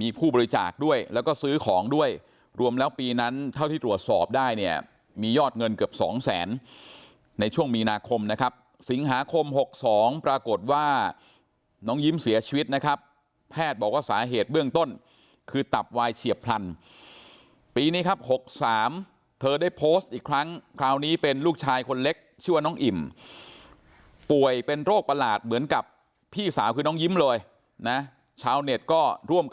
มีผู้บริจาคด้วยแล้วก็ซื้อของด้วยรวมแล้วปีนั้นเท่าที่ตรวจสอบได้เนี่ยมียอดเงินเกือบสองแสนในช่วงมีนาคมนะครับสิงหาคมหกสองปรากฏว่าน้องยิ้มเสียชีวิตนะครับแพทย์บอกว่าสาเหตุเบื้องต้นคือตับวายเฉียบพลันปีนี้ครับหกสามเธอได้โพสต์อีกครั้งคราวนี้เป็นลูกชายคนเล็กชื่อน้องอิ่ม